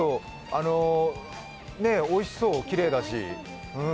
おいしそう、きれいだし。